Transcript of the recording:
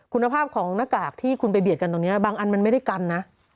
คุณภาพของหน้ากากที่คุณไปเบียดกันตรงนี้บางอันมันไม่ได้กันนะ